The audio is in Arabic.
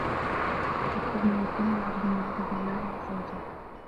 أَقْرَبُ مَا يَكُونُ الْعَبْدُ مِنْ غَضَبِ اللَّهِ عَزَّ وَجَلَّ